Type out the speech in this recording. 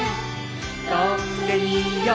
飛んでみよう！」